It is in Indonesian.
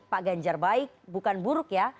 pak ganjar baik bukan buruk ya